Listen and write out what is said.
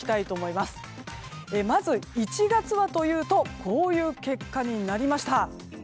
まず、１月はというとこういう結果になりました。